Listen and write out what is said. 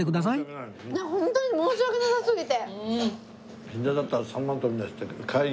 本当に申し訳なさすぎて。